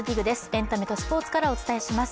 エンタメとスポーツからお伝えします。